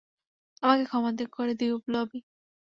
আমাকে ক্ষমা করে দিও, ব্লবি।